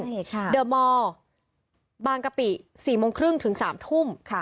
ใช่ค่ะเดอร์มอร์บางกะปิ๔โมงครึ่งถึง๓ทุ่ม